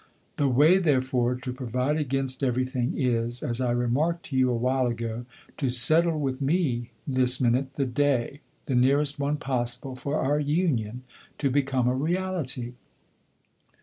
"The way therefore to provide against every thing is as I remarked to you a while ago to settle with me this minute the day, the nearest one possible, for our union to become a reality."